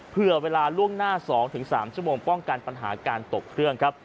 เผื่อเวลาล่วงหน้า๒๓ชั่วโมงป้องกันปัญหาการตกเครื่องครับ